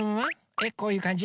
えっこういうかんじ？